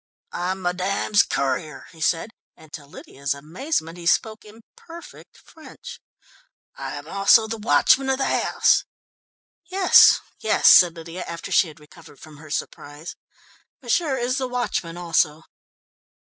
"I'm madame's courier," he said, and to Lydia's amazement he spoke in perfect French, "I am also the watchman of the house." "Yes, yes," said Lydia, after she had recovered from her surprise. "M'sieur is the watchman, also."